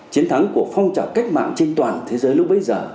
chiến thắng của phong trào cách mạng trên toàn thế giới lúc bấy giờ